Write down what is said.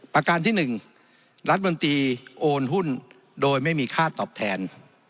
ประการที่๑รัฐมนตรีโอนหุ้นโดยไม่มีค่าตอบแทน